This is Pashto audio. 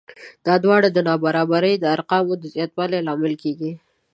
دا دواړه د نابرابرۍ د ارقامو د زیاتوالي لامل کېږي